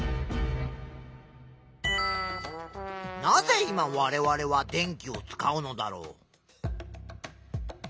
なぜ今われわれは電気を使うのだろう？